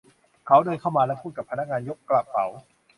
เขาเดินเข้ามาและพูดกับพนักงานยกกระเป๋า